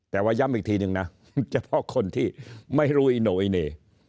แต่ว่าย้ำอีกทีนึงนะเฉพาะคนที่ไม่รู้อิโนอิเน่